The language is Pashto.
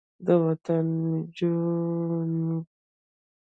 د وطن جوړونکو خلګو ملاتړ وکړئ.